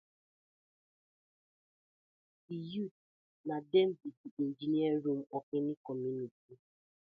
Di youths na dem bi di engine room of any community.